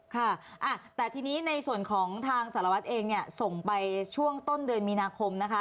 ค่ะแต่ทีนี้ในส่วนของทางสารวัตรเองเนี่ยส่งไปช่วงต้นเดือนมีนาคมนะคะ